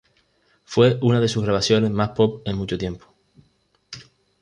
Fue una de sus grabaciones más "pop" en mucho tiempo.